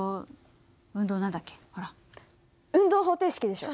運動方程式でしょ。